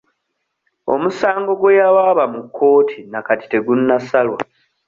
Omusango gwe yawaaba mu kkooti na kati tegunnasalwa.